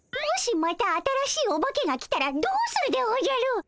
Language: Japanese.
もしまた新しいオバケが来たらどうするでおじゃる！